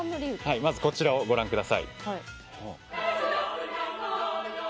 こちらをご覧ください。